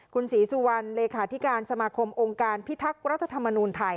คุณศรีสุวันทร์หลีการสมาคมองการพิทักษ์แลัฐธรรมนุนไทย